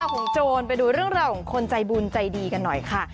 ของโจรไปดูเรื่องราวของคนใจบุญใจดีกันหน่อยค่ะ